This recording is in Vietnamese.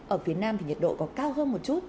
ở phía nam thì nhiệt độ còn cao hơn một chút